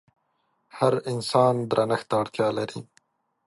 هر انسان درنښت ته اړتيا لري.